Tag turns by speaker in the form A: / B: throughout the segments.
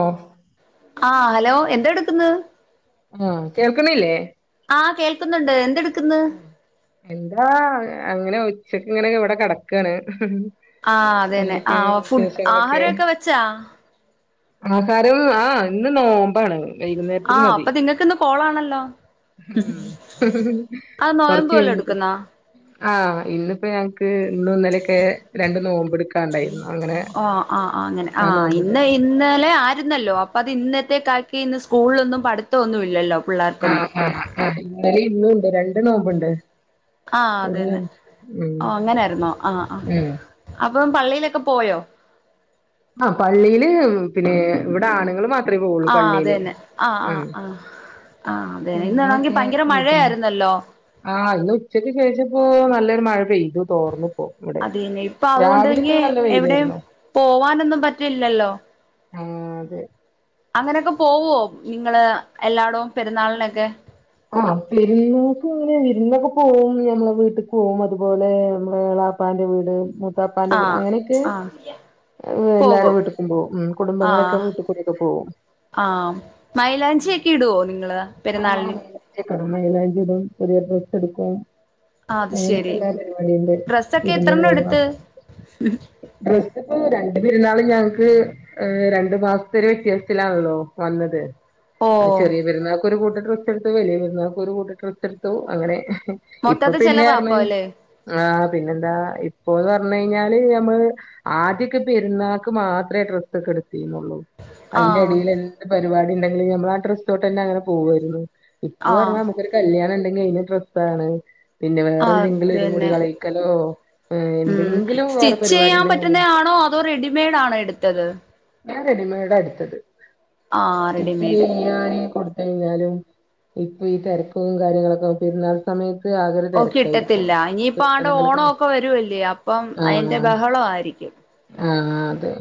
A: ഓഹ്
B: ആഹ് ഹലോ എന്താ എടുക്ക്‌ന്ന്
A: ആഹ് കേൾക്കണില്ലേ
B: ആ കേൾക്കുന്നുണ്ട് എന്ത്ട്
A: ഉം എന്താ അങ്ങനെ ഉച്ചക്ക് ഇങ്ങനെ ഇവടാ കെടക്കണ്
B: ആഹ് അതേന്നെ ആഹ് ഫുഡ് ആഹാരോക്ക വെച്ചാ
A: ആഹാരം ആഹ് ഇന്ന് നോ മ്പണ് വൈകുന്നേരത്തേക്ക്
B: ആഹ്
A: മതി
B: അപ്പൊ നിങ്ങൾക്കിന്ന് കോളാണല്ലോ ആഹ് നോയമ്പ്
A: കൊറച്ച്
B: വല്ലോം
A: കഴിഞ്ഞിട്ട്
B: എട്ക്ക്‌ന്നാ
A: ആഹ് ഇന്നിപ്പ ഞാ ക്ക് ഇന്നും ഇന്നലേക്കെ രണ്ട് നോമ്പ് എടുക്കാണ്ടായിരുന്നു അങ്ങനെ
B: ആഹ് ആഹ് അങ്ങനെ
A: ആഹ് നോമ്പ്ണ്ട്
B: ഇന്ന് ഇന്നലെ ആരുന്നല്ലോ അപ്പ അത് ഇന്നത്തേക്കാക്കി ഇന്ന് സ്കൂളിലൊന്നും പഠിത്തം ഒന്നും ഇല്ലല്ലോ പിള്ളേർക്കൊന്നും
A: ആ ഇന്നലെ ഇന്നും ഇണ്ട് രണ്ട് നോമ്പണ്ട്
B: ആഹ അത തന്നെ ഓ അങ്ങനൊയിുന്നോ ആഹ് ആ
A: ഉം
B: അപ്പൊ പള്ളിയിലൊക്കെ പോയോ
A: ആ പള്ളിയില് പിന്നെ ഇവിടെ ആണുങ്ങൾ മാ
B: ആഹ് അത തന്നെ ആഹ് ആഹ് ആഹ് ആഹ് അതെെ ഇന്ന്ണമെങ്കിൽ
A: പെണ്ണുങ്ങളൊക്കെ
B: ഭയങ്കര
A: വീട്ടിന്ന്
B: മഴയായിരുന്നല്ലോ
A: ആഹ് ഇന്ന് ഉച്ചക്ക് ശേഷം ഇപ്പോ നല്ലൊരു മഴ പെയ്തു തോർന്നു
B: അതീന് ഇപ്പൊ അതുകൊണ്ടേങ്കി എവിടെയും
A: വെയിലായിരുന്നു ആഹ്അതെ
B: അങ്ങനൊക്കെ പോവോ നിങ്ങള് എല്ലാടവും പെരുന്നാളിനൊക്കെ
A: ആ പെരിന്നോക്കുങ്ങനെ വിരുന്നൊക്കെ പോവും ഞമ്മളെ വീട്ടിക്ക് പോവും അതുപോലെ നമ്മളെ എളാ മൂത്താപ്പാന്റെ വീട് മൂത്താപ്പാന്റെ വീട്
B: ആഹ്
A: അങ്ങനെക്കെ
B: ആഹ്
A: എല്ലാരും
B: പോകും
A: വീട്ട്ക്കും പോകും കുടുംബങ്ങളൊക്കെ
B: ആഹ്
A: വീട്ടിക്കൂടെ പോവും
B: ആഹ് മൈലാഞ്ച്യക്കെ ഇടോനിങ്ങള് പെരുന്നാളിന്
A: കട മൈല്ലാഞ്ചി ടൽ പുതിയ ഡ്രസ് എട്ക്കും
B: ആഹ് അത്
A: ഒ [unintelligible]
B: ശരി
A: ങ്ങിക്ക്ല്ല പരിപാടിണ്ട്
B: ഡ്രസ്സൊക്കെ
A: ഇരുന്ന്
B: എത്രണ്ണം
A: പോവാ
B: എടുത്ത്
A: [unintelligible] രണ്ട് പെരുന്നാളും ഞങ്ങക്ക് രണ്ടു മാസത്തെ ഒരു വ്യത്യാസത്തിലാണല്ലോ വന്നത്
B: ഓ
A: ആ ചെറിയ പെരുന്നാൾക്കൊരു കൂട്ട ഡ്രസ് എട്ത്തു വലിയ പെരുന്നാൾക്കും ഒരു കൂട്ട ഡ്രസ്സ് എടുത്തു അങ്ങനെ ഇപ്പൊ
B: മൊത്തത്തി ചെലവാ അപ്പൊ
A: പിന്നെറ്ഞ്
B: അല്ലേ
A: ആഹ് പിന്നെന്താ ഇപ്പോന്ന് പറഞ്ഞു കഴിഞ്ഞാല് നമ്മൾ ആദ്യൊക്കെ പെരുന്നാൾക്ക് മാത്രേ ഡ്രസ് ഒക്കെ എടു അയ്ന്റെ
B: ആഹ്
A: ടേൽ എന്ത് പരിപാടി ണ്ടെങ്കിലും നമ്മളാ ഡ്രസ്സു ട്ടെന്നെ അങ്ങനെ പോവുള്ളു ഇപ്പ
B: ആഹ്
A: പറഞ്ഞാൽ നമുക്കൊരു കല്യാണം ഇണ്ടെങ്കിൽ അയിന് ഡ്രസ്സാണ് പിന്നെ വേറെ എന്തെങ്കിലും ഒരു മുടി
B: അതന്നെ
A: കളിക്കലോ
B: ഉം
A: എന്തെങ്കിലും
B: സ്റ്റിച്ച്
A: വേറെപാടി
B: ചെയ്യാൻ
A: ഉണ്ടെങ്ക
B: പറ്റുന്നയാണോ അതോ റെഡിമെയ്ഡാണ് എട്ത്തത്
A: ഞാൻ റെഡിമെയഡ എട്ത്തത്
B: ആഹ് റെഡിമെയ്ഡ്
A: [unintelligible] ഇ കൊടു കഴിഞ്ഞാലും ഇപ്പൊ ഈ തെരക്കും കാര്യങ്ങളൊക്കെ പെരുന്നാൾ സമയത്
B: ഓ കിട്ടത്തില്ല ഇനിയിപ്പ ആണ്ട
A: കിട്ടണെങ്കിലൊക്കെ
B: ഓണം ഒക്കെ വരുവല്ലേ അപ്പം അയിന്റെ
A: ആഹ്
B: ബഹള ആയിരിക്കും
A: ആഹ് അതെ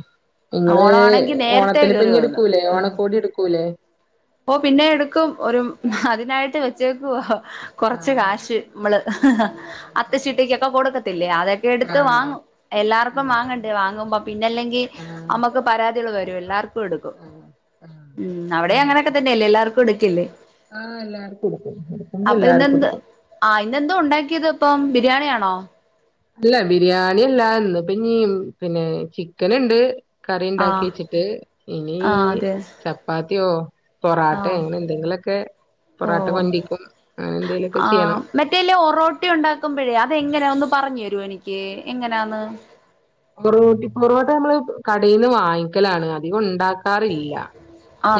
A: ഇങ്ങള്
B: ഓണമാണെങ്കി നേരത്തെ കേറി
A: ഓണത്തിന്പ്പഞ്ഞ്
B: വന്ന്
A: എട്ക്കൂലേ ഓണക്കോടി എടുക്കൂല്ലേ
B: ഓ പിന്നെ എടുക്കും ഒരു അതിനായിട്ട് വെച്ചേക്കുവ കൊറച്ച്
A: ആഹ്
B: കാശ് മ്മള്
A: ആഹ്
B: അത്തച്ചീട്ടകൊക്കെ കൊടുക്ക അതൊക്കെ എടുത്ത്
A: ആഹ്
B: വാങ്ങും എല്ലാർക്കും
A: ആഹ്
B: വാങ്ങണ്ടേ വാങ്ങുമ്പോ പിന്നെല്ലെങ്കിൽ
A: ആഹ്
B: അമക്ക് പരാതി ക ൾ വരും എല്ലാർക്കു എട്ക്കും
A: ആഹ് ആഹ്
B: അവി ടിം അങ്ങനെ ല്ലർക്കുംഎടുക്കില്ലേ
A: ആഹ് എല്ലാർക്കും എടുക്കും എടുക്കുമ്പോ
B: അപ്പൊ
A: എല്ലാർക്കും
B: ഇന്നെന്ത്
A: എടുക്കും
B: ആ ഇന്നെന്തോ ഉണ്ടാക്കിയത് ഇപ്പം ബിരിയാണിയാണോ
A: അല്ല ബിരിയാണില്ല ഇന്ന്പ്പീ പിന്നെ ചിക്കന്‌ഇണ്ട് കറി
B: ആഹ്
A: ഇണ്ടാക്ക്യച്ചിട്ട് ഇനി
B: ആഹ് അതെ
A: ചപ്പാത്തിയോ പൊറാട്ടെ
B: ആഹ്
A: അങ്ങനെ എന്തെങ്കിലു ക്ക്
B: ഓ
A: ചെയ്യണം
B: ആഹ് മറ്റേല് ഒറോട്ടി ഉണ്ടാക്കുമ്പോഴേ അതെങ്ങനെയ ഒന്ന് പറഞ്ഞെര്വ എനിക്ക് എങ്ങനാന്ന്
A: മൊറോട്ടി മൊറോട്ട നമ്മള് കടേന്ന് വാങ്ങിക്കലാണ് അധികം ഉണ്ടാക്ക ക്കാറില്ല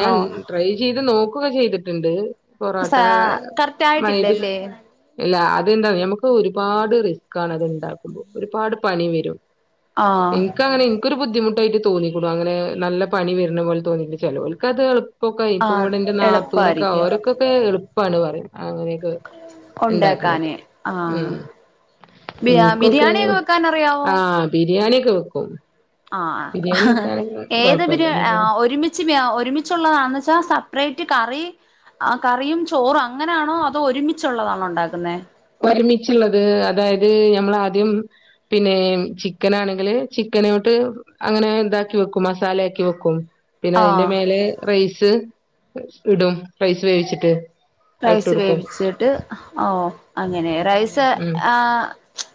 A: ഞാൻ ട്രൈ ചെയ്ത് നോക്കുക ചെയ്തിട്ട്ണ്ട് പൊറോട്ട
B: സാ കറക്റ്റ്
A: മൈതി
B: ആയിട്ടില്ലല്ലേ
A: ഇല്ല [unintelligible] അതെന്ത നമക്ക് ഒരുപാട് റിസ്ക്കാണ് അത്ണ്ടാക്കുമ്പോ ഒരുപാട് പണി വരും
B: ആഹ്
A: ഇൻക്കങ്ങനെ ഇൻക്കൊരു ബുദ്ധിമുട്ടായിട്ട് തോന്നിക്കൂടും അങ്ങനെ നല്ല പണി വരുന്ന പോലെ തോന്നിയി [unintelligible] ചേലോൽകത് ഇപ്പൊക്കെ ഇപ്പ
B: ആഹ്
A: ഇവിടെ ഇന്റെ നാത്തൂനൊക്കെ
B: എളുപ്പായിരിക്കും
A: അവഓരൊ ക്കൊക്കെ എളുപ്പാണ് പറിം അങ്ങനെയൊക്കെ ഉണ്ടാക്ക്ണത്
B: ഉണ്ടാക്കാന് ആഹ്
A: ഉം
B: ബി
A: ഇൻക്കൊക്കെ
B: ബിരിയാണിയൊക്കെ വെക്കാൻ അറിയാവോ
A: ആഹ് ബിരിയാണ്യക്കെ വെക്കും
B: ആഹ്
A: ബിരിയാണി
B: ഹ് ഹ്
A: വെക്കാനൊക്കെ
B: ഏത് ബി
A: കൊഴപ്പല്ല
B: ര് ആ [unintelligible]
A: ബിരിയാണി
B: ഒരുമിച്ച് ആ ഒരുമിച്ചുള്ളതാന്ന് ച്ചാ സെപ്പറേറ്റ് കറി ആ കറിയും ചോറും അങ്ങനെയാണോ അതോ ഒരുമിച്ചുള്ളതാണോ ഉണ്ടാക്കുന്നെ
A: ഒരുമിച്ചുള്ളത് അതായത് ഞമ്മൾ ആദ്യം പിന്നെ ചിക്കനാണെങ്കില് ചിക്കനോട്ട് അങ്ങനെ ഇതാക്കി വെക്കും മസാലയാക്കി വെക്കും പിന്നെ അതിന്റെ
B: ആഹ്
A: മേലെ റൈസ് ഇടും റൈസ് വേവിച്ചിട്ട് അത് ഇട്ട്
B: റൈസ്
A: കൊടുക്കും
B: വേവിച്ചിട്ട് ഓ അങ്ങനെ റൈസ് ആ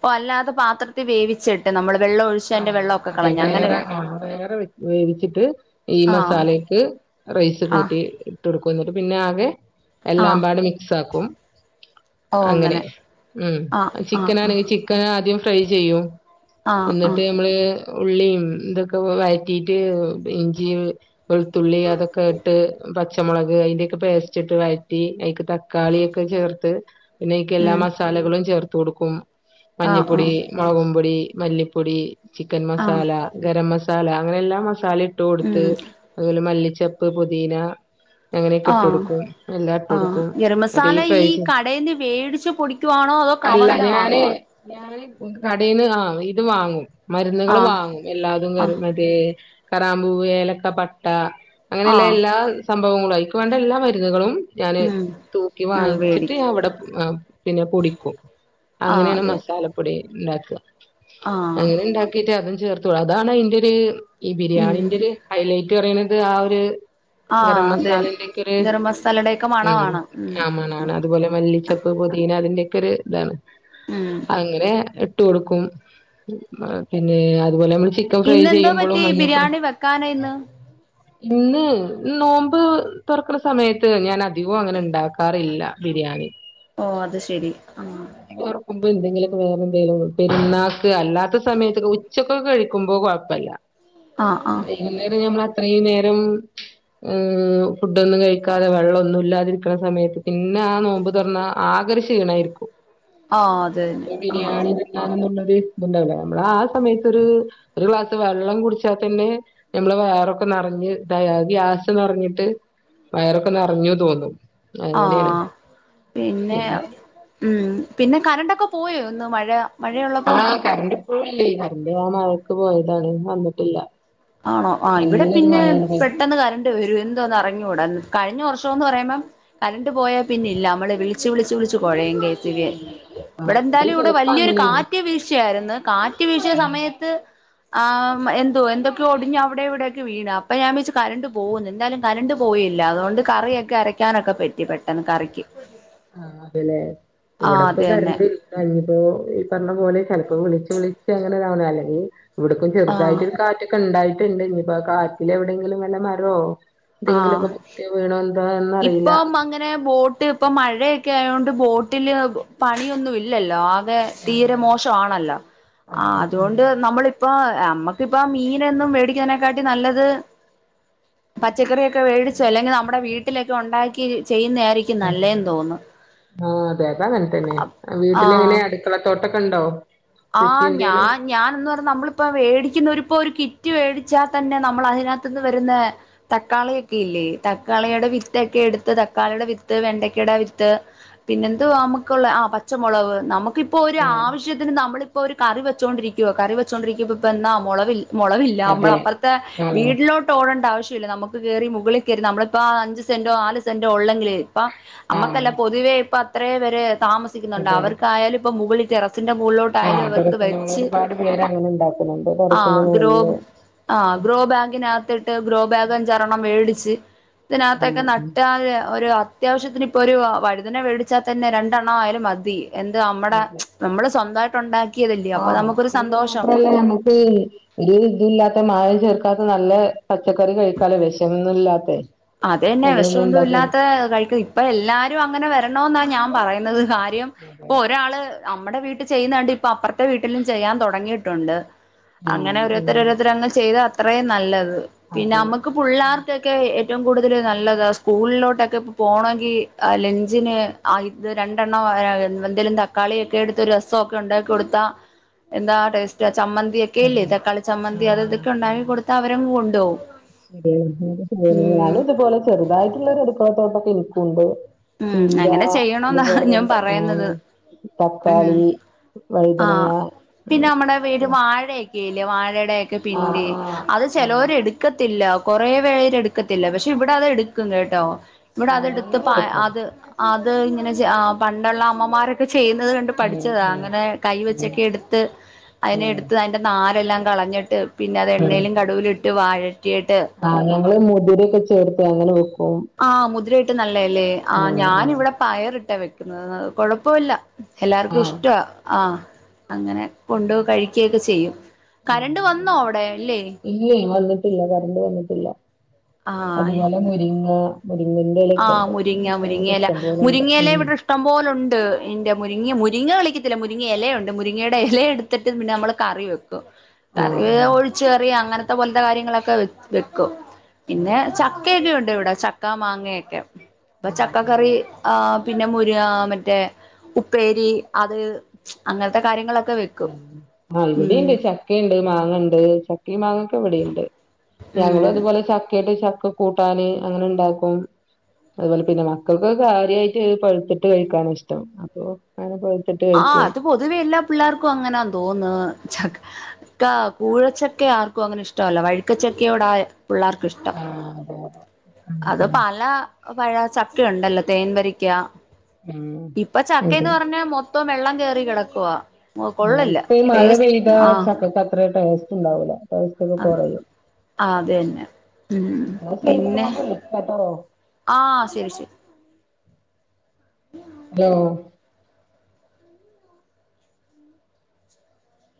B: ഓ അല്ലാതെ പാത്രത്തിൽ വേവിച്ചിട്ട് നമ്മള് വെള്ളം ഒഴിച്ച്
A: ആ
B: അതിന്റെ വെള്ളമൊക്കെ
A: അതെ
B: കളഞ്ഞ് അങ്ങനെ
A: വേറെ ആ വേറെ വേവിച്ചിട്ട് ഈ
B: ആ
A: മസാലെക്ക് റൈസ്
B: ആ
A: കൂട്ടി ഇട്ട് കൊടുക്കുംന്നിട്ട് പിന്നെ ആകെ
B: ആ
A: എല്ലാം പാട് മിക്സ് ആക്കും അങ്ങനെ ഉം
B: ആ ആ
A: ചിക്കൻ
B: ആ
A: ആണെങ്കിൽ ചിക്കൻ ആദ്യം ഫ്രൈ ചെയ്യും
B: ആ ആ
A: എന്നിട്ട് നമ്മള് ഉള്ളിയും ഇതൊക്കെ വഴറ്റിട്ട് ഇഞ്ചിയും വെളുത്തുള്ളി അതൊക്കെ ഇട്ട് പ പച്ചമുളക് അതിന്റെയൊക്കെ പേസ്റ്റ് ഇട്ട് വഴറ്റി അതിക്ക് തക്കാളിയൊക്കെ ചേർത്ത് പിന്നെ അതിയ്ക്ക് എല്ലാ
B: ഉം
A: മസാലകളും ചേർത്ത് കൊടുക്കും
B: ആ ആ
A: മഞ്ഞപ്പൊടി മുളകുംപൊടി മല്ലിപ്പൊ പൊടി ചിക്കൻ
B: ആ
A: മസാല ഗരം മസാല അങ്ങനെ എല്ല മസ മസാല ഇട്ട് കൊടുത്ത്
B: ഉം
A: അതുപോലെ മല്ലിച്ചപ്പ് പുതീന അങ്ങനെയൊക്കെ
B: ആ
A: ഇട്ട് കൊടുക്കും എല്ലാം ഇട്ട്
B: ആ
A: കൊടുക്കും
B: ഗരം മസാല
A: അല്ലെങ്കിൽ ഫ്രൈ
B: ഈ
A: ചെയ്
B: കടേന്ന് വേടിച്ച് പൊടിക്കുവാണോ അതോ
A: അല്ല
B: കവറില്
A: ഞാനെ
B: വാങ്ങുവാണോ
A: ഞാനെ കടയിന്ന് ആ ഇത് വാങ്ങും മരുന്നുകൾ
B: ആ
A: വാങ്ങും എല്ലാതും
B: ആ
A: [unintelligible] കറാമ്പൂവ് ഏലക്ക പട്ട
B: ആ
A: അങ്ങനെയുള്ള എല്ലാ സംഭവങ്ങളും അയൽക്ക് വേണ്ട എല്ലാ മരുന്നുകളും ഞാന്
B: ഉം
A: തൂക്കി
B: ആ
A: വാങ്ങിച്ചിട്ട്
B: വേടിക്കും
A: ഞാൻ ഇവിടെ ആ പിന്നെ പൊടിക്കും
B: ആ
A: അങ്ങനെയാണ്
B: അതെ
A: മസാലപ്പൊടി ണ്ടാ വ്വ
B: ആ
A: അങ്ങനെ ഉണ്ടാക്കിട്ട് അതും ചേർത്തു അതാണ് അതിന്റെ ഒര് ഈ
B: ഉം
A: ബിരിയാണിന്റെ ഒരു ഹൈലൈറ്റ് പറയുന്നത് ആ ഒരു
B: ആഹ്
A: ഗരം
B: അതന്നെ
A: മസാലന്റെക്കൊരു
B: ഗരം മസാലയുടെയൊക്കെ
A: മം
B: മണമാണ് ഉം
A: ആമാണാണ് അതുപോലെ മല്ലിച്ചപ്പ് പുതീന അതിന്റൊക്കെ ഒരു ഇതാണ്
B: ഉം
A: അങ്ങനെ ഇട്ട് കൊടുക്കും പിന്നെ അതുപോലെ നമ്മള് ചിക്കൻ ഫ്രൈ
B: ഇന്നെന്തോ
A: ചെയ്യുമ്പോളും
B: പറ്റി
A: മഞ്ഞപ്പടും
B: ബിരിയാണി വെക്കാന ഇന്ന്
A: ഇന്ന് നോമ്പ് തോറക്കണ സമയത്ത് ഞാൻ അധികം അങ്ങനെ ഇണ്ടാക്കാറില്ല ബിരിയാണി
B: ഓ അത് ശരി ആ
A: അപ്പ എന്തെങ്കിലുമൊക്കെ വേറെ എന്തെിലും പെരുന്നാക്ക് അല്ലാത്ത സമയത്തൊക്കെ ഉച്ചക്കൊക്കെ കഴിക്കുമ്പോ കൊഴപ്പുല
B: ആഹ് ആഹ്
A: വൈകുന്നേരം ഞമ്മ ഇത്രയും നേരം ഉം ഫുഡൊന്നും കഴിക്കാതെ വെള്ളമൊന്നും ഇല്ലാതിരിക്കണ സമയത്ത് പിന്നെ ആ നോമ്പ് തുറന്ന ആകെരു ഷീണയിരിക്കും
B: ആഹ് അത് തന്നെ
A: [unintelligible]
B: ആഹ്
A: ബിരിയാണി [unintelligible] ഇണ്ടാവുലാ നമ്മള് ആ സമയത്ത് ഒരു ഒരു ഗ്ലാസ് വെള്ളം കുടിച്ചാൽ തന്നെ നമ്മള് വേറൊക്കെ നറ [unintelligible] ഗ്യാസ് നിറഞ്ഞിട്ട് വയറൊക്കെ നറഞ്ഞു തോന്നും അങ്ങനെയാണ്
B: ആഹ് പിന്നെ ഉം പിന്നെ കരണ്ടൊക്കെ പോയോ ഇന്ന് മഴ
A: ആ
B: മഴയുള്ളപ്പോ
A: കറണ്ട് ഇപ്പോഴും ഇല്ലേ കറണ്ട് ആ മഴക്ക് പോയതാണ് വന്നിട്ടില്ല
B: ആണോ ആ ഇവിടെ
A: നല്ലൊരു
B: പിന്നെ
A: മഴയാണ് പെയ്തത്
B: പെട്ടെന്ന് കരണ്ട് വരും എന്തോണെന്ന് അറിഞ്ഞു കഴിഞ്ഞ വർഷം എന്ന് പറയുമ്പ കറണ്ട് പോയാൽ പിന്നെ ഇല്ല നമ്മള് വിളിച്ച് വിളിച്ച് വിളിച്ച് കൊഴയും കെ എസ് ശരിയ
A: അതെ. ആ
B: ഇവിടെ എന്തായാലും ഇവിടെ
A: ചെലപ്പോ
B: വലിയൊരു
A: അങ്ങനെയാണ്
B: കാറ്റ് വീശിയായിരുന്നു കാറ്റ് വീശിയ
A: ആ
B: സമയത്ത് ആം എന്തു എന്തോ ഒടിഞ്ഞ അവിടെവിടെക്കെ വീണ അപ്പ ഞാൻ വെച്ച് കരണ്ട് പോകുന്നു എന്താലും കരണ്ട് പോയില്ല അതുകൊണ്ട് കറിയൊക്കെ അരക യ്ക്കാനൊക്കെ പെറ്റി പെട്ടെന്ന് കറിക്ക്
A: ആ അതെലെ
B: ആ
A: ഇവിടെ പ്പ
B: അത് തന്നെ
A: കരണ്ട് ഇല്ല ഇനീപ്പോ ഈ പറഞ്ഞ പോലെ അപ്പൊ വിളിച്ച് വിളിച്ച് അങ്ങനെതാവണാ അല്ലെങ്കി ഇവിടക്കും
B: ആ
A: ചെറതായിട്ട് ഒരു കാറ്റൊക്കെ ഉണ്ടായി [unintelligible] ഇനീപ്പ കാറ്റിൽ എവിടെെങ്കിലും വല്ല മാരോ
B: ആ
A: എന്തെങ്കിലുമൊക്കെ പൊട്ടിയോ വീണോ എന്താ
B: ഇപ്പം അങ്ങനെ ബോ ബോട്ട് ഇപ്പൊ മഴയൊക്കെ ആയോണ്ട് ബോട്ടില് പണിയൊന്നും ഇല്ലല്ലോ അ തീരെ
A: ആഹ്
B: മോശാണല്ലോ ആ
A: ആണ് ഉം.
B: അതുകൊണ്ട് നമ്മളിപ്പോ നമ്മക്കിപ്പ മീനെന്നും മേടിക്ക നാക്കാനെക്കാട്ടി നല്ലത് പച്ചക്കറിയൊക്കെ വേടിച്ചു അല്ലെങ്കി നമ്മുടെ വീട്ടിലൊക്കെ ഉണ്ടാക്കി ചെയ്യുന്ന ആയിരിക്കും
A: അതെ
B: നല്ലേന്ന്
A: അതെ
B: തോന്നുന്നു
A: ആഹ് അതെ അത നല്ലെന്നെ [unintelligible] വീട്ടിലെങ്ങനെ അടുക്കളത്തോട്ടൊക്കെ ഉണ്ടോ
B: ആ
A: കൃഷി എന്തേലും
B: ഞാൻ ഞാൻ എന്ന് പറ നമ്മളിപ്പോ മേടിക്കുന്ന ഒരുപ്പൊ ഒരുി റ്റ് മേടിച്ചാൽ തന്നെ നമ്മൾ അതിനകത്തുന്ന് വരുന്ന തക്കാളിയൊക്കെ ഇല്ലേ തക്കാളിയുടെ വിറ്റൊക്കെ എടുത്ത് തക്കാളിയുടെ വിത്ത് വെണ്ടയ്ക്കട വിരുത്ത് പിന്നെ എന്തുവാ നമുക്കുള്ള ആ പച്ചമുളക്് നമുക്ക് ന ഇപ്പോൊ ഒരു
A: ആഹ്
B: ആവശ്യത്തിന് നമ്മളിപ്പോൾ ഒരു കറി വെച്ചോൊണ്ടിരിക്കുവോ കറി വെച്ചോൊണ്ടിരിക്കുമ്പ ഇപ്പൊ എന്നാ മുളവിൽ മുളവില്ല നമ്മൾ
A: അതെ
B: അപ്പുറത്തെ
A: ആഹ്
B: വീട്ടിലോട്ട് ഓടേണ്ട ആവശ്യ നമുക്ക് കയറി മുകളിൽ കയറി നമ്മളപ്പോ ആ അഞ്ച് സെന്റോ ആല് സെന്റോ ഉള്ളെങ്കില് ഇപ്പ നമ്മുക്കല്ല
A: ആഹ്
B: പൊതുവേ ഇപ്പൊ അത്രേ പേര് താമസിക്കുന്നുണ്ട് അവർക്കായാലും ഇപ്പ മുകളിൽ റസിന്റെ മ ഉോട്ടായാലും അവർക്ക്
A: ഇതങ്ങനെ
B: വെച്ച്
A: ഒരുപാട് പേര് അങ്ങനെ ഉണ്ടാക്കുന്നുണ്ട്
B: ആ
A: ടെറസിന്റെ
B: ഗ്ര
A: മുകളില്
B: ആ ഗ്രോ ബാങ്കിനകത്ത്് ് ഗ്രോ ബാഗ അഞ്ചാംരെണ്ണം മേടിച്ച് ഇതിനകത്തൊക്കെ
A: ആഹ് ഉം.
B: നട്ടാെ അത്യാവശ്യത്തിന് ഇപ്പോൾ ഒരു വഴുതന മേടിച്ചാൽ തന്ന രണ്ടണ് ആയും മതി എന്ത് നമ്മടെ നമ്മള് സ്വന്തമായിട്ടുണ്ട
A: ആ പിന്നെ മാത്രല്ല നമ്മക്ക് ഒരു ഇതല്ലാത്ത മഴ ചെർക്ക ാ നല്ല പച്ചക്കറി കഴിക്കാല വിഷമൊന്നുംല്ലാത്ത
B: അത തന്നെ വിഷമന്തും ഇല്ലാത്ത കഴിക്കുന്നത് ഇപ്പൊ എല്ലാരും അങ്ങനെ വരണ എന്നാ ഞാൻ പറയുന്നത് കാര്യം ഇപ്പൊ ഒരാള് നമ്മുടെ വീട്ട് ചെയ്യുന്നതാണ്ട് ഇപ്പൊ അപ്പുറത്തെ വീട്ടിലും ചെയ്യാൻ തുടങ്ങിയിട്ടുണ്ട് അങ്ങനെ
A: ആഹ് ഉം
B: ഓരോരുത്തര ഓരോരുത്തരങ്ങ് ചെയ്ത അത്രയും നല്ലത് പിന്നെ
A: അതെ
B: നമ്മുക്ക് പിള്ളേർക്കൊക്കെ ഏറ്റവും കൂടുതൽ നല്ലതാ സ്കൂളിലോട്ടൊക്കെ ഇ പോണമെങ്കിൽ ലഞ്ചിന് ആ ഇത് രണ്ടെണ്ണം എന്തെങ്കലും തക്കാളിയൊക്കെ എടു രസൊക്കെ ഉണ്ടാക്കി കൊടുത്താ എന്താ ടേസ്റ്റ് ചമ്മന്തി ഒക്കെ ഇല്ലേ
A: അതെ
B: തക്കളി ചമ്മന്തി അത ഇതൊക്കെ ഉണ്ടാക്കി കൊടുത്താ അവരും കൊണ്ടുപകും
A: ശ ശെയാണ് ഇതുപോലെ ചെറുതായിട്ടുള്ള ഒരു അടുക്കളത്തോട്ടൊക്കെ ഇനിക്കുംണ്ട്
B: ഉം
A: ചീര
B: അങ്ങനെ ചെയ്യണോന്നാ ഞാൻ
A: അതുപോലെണ്ട് ആ
B: പറയുന്നത് ഉം
A: തക്കാളി വഴുതങ്ങ
B: ആഹ്
A: ഉ
B: കലവാഴയുടെയൊക്കെ പിന്റെ അത്
A: ആഹ്
B: ചിലർ എടുക്ക ല്ല കൊറെ പേര് എടുക്കത്തില്ല പക്ഷെ ഇവിടെ അത് എടുക്കും കേട്ടോ ഇവിടെ
A: ആഹ്
B: അതെടുത്ത്
A: ഞങ്ങളും എടുക്കും
B: അത് അത് ഇങ്ങനെ പണ്ടുള്ള അമ്മമാരൊക്കെ ചെയ്യുന്നത് കണ്ട്
A: ഉം
B: പഠിച്ചത
A: ഉം
B: അങ്ങനെ കൈ
A: ഉം
B: വെച്ചൊക്കെ എടുത്ത് അതിനെ
A: ഉം
B: എടുത്ത് അതിറെ ന അല്ലാം കളഞ്ഞിട്ട് പിന്നെ അത് എണ്ണയിലും കടുവും ഇട്ട് വാഴ
A: ആ് ഞങ്ങള് മുതിരൊക്കെ ചേർത്ത് അങ്ങനെ വക്കും
B: ആഹ മുതിരായിട്ട് നല്ലതല്ലേ ആ് ഞാാന ഇവിടെ പയറി ഇട്ടാ വെക്കുന്നത് കൊഴപ്പമല്ല എല്ലാർക്കും
A: ആഹ്
B: ഇഷ്ട ആഹ അങ്ങനെ കൊണ്ട് കഴിക്കയൊക്കെ ചെയ്യും കരണ്ട് വന്നോ അവിടെ അല്ലേ
A: ഇല്ലേ വന്നിട്ടില്ല കറണ്ട് വന്നിട്ടില്ല അതുപോലെ മുരിങ്ങ മുരിങ്ങന്റെ ഇലൊക്കെ ഉണ്ട്
B: ആമുരിങ്ങ
A: ഞങ്ങക്ക്
B: മുരിങ്ങല
A: ഇഷ്ടം പോലെണ്ട്
B: മുരിങ്ങല
A: ഉം
B: ഇവിടെ ഇഷ്ടം പോോലുണ്ട് എന്റെ മുരിങ്ങ മുരി ഇങ്ങെ വിളിക്കത്തില്ല മുരിങ്ങ ഇലയുണ്ട് മുരിങ്ങയുടെ ഇല എടുത്തിട്ട് പിന്നെ നമ്മൾ കറി വെക്കും കറി
A: ആഹ്
B: ഒഴിച്ചച്ച് കറിയ അങ്ങനത്തെ പോലത്തെ കാര്യങ്ങളൊക്കെ വെക്കും പിന്നെ
A: ആഹ്
B: ചക്കയൊക്കെ ഉണ്ട് ഇവിടെ ചക്ക മാങ്ങയൊക്കെ ഇപ്പൊ
A: ഉം
B: ചക്ക
A: ഉം
B: കറി ആ പിന്നെ മുരി മറ്റേ ഉപ്പേരി അത് അങ്ങനത്തെ കാര്യങ്ങളൊക്കെ വെക്കും
A: ആഹ്
B: ഉം
A: ഇവിടെുണ്ട് ചക്കയുണ്ട് മാങ്ങ ഉണ്ട് ചക്ക മാങ്ങൊക്കെ ഇവിടെുണ്ട് ഞങ്ങും
B: ഉം
A: അതുപോലെ ചക്ക ആട്ട് ചക്ക കൂട്ടാന് അങ്ങനെ ഉണ്ടാക്കും അതുപോലെ പിന്നെ മക്കൾക്ക് കാര്യമായിട്ട് പഴുത്തിട്ട് കഴിക്കാൻ ഇഷ്ടം അപ്പോ അങ്ങനെ
B: ആ
A: കഴിക്കും
B: അത് പൊതുവെ എല്ലാ പിള്ളേർക്കും ർക്കും അങ്ങനാ തോന്നുന്നു ചക്ക കൂഴച്ചക്ക ആർക്കും അങ്ങനെ ഇഷ്ടമല്ല വഴുക്കച്ചക്കയോട പിള്ളേർക്കിഷ്ടം
A: ആഹ് അതെ അതെ
B: അത്
A: കണ്ടിട്ടുണ്ട്
B: പല പഴ ചക്ക ഉണ്ടല്ലോ തേൻ വരിക്ക
A: ഉം
B: ഇപ്പൊ ചക്കന്ന്
A: അതെ
B: പറഞ്ഞാ മൊത്തം വെള്ളം കേയറി കിടക്കുവ
A: ആ ഇപ്പ ഈ മഴ പെയ്ത ചക്കക്ക അത്ര ടേസ്റ്റ് ഉണ്ടാവൂല ടേസ്റ്റ് ഒക്കെ കുറു
B: ആ അത തന്നെ ഉ
A: ശരി
B: പിന്നെ
A: ഞാൻ വിളിക്കാട്ടോ
B: ആ ശരി ശരി
A: ഹലോ